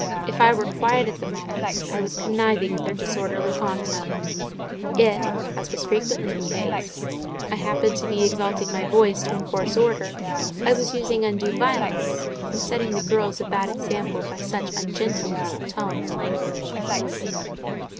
If I were quiet at the moment, I was conniving at their disorderly conduct; if (as was frequently the case) I happened to be exalting my voice to enforce order, I was using undue violence, and setting the girls a bad example by such ungentleness of tone and language.